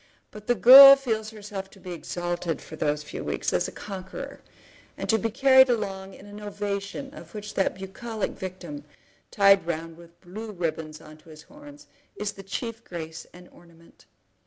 But the girl feels herself to be exalted for those few weeks as a conqueror, and to be carried along in an ovation of which that bucolic victim, tied round with blue ribbons on to his horns, is the chief grace and ornament.